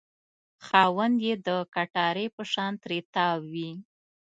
خاوند یې د کټارې په شان ترې تاو وي.